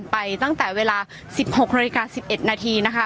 ไปตั้งแต่เวลาสิบหกนาฬิกาสิบเอ็ดนาทีนะคะ